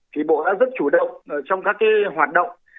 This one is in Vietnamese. thì bộ đã rất chủ động trong các hoạt động